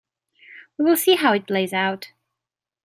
We will see how it plays out.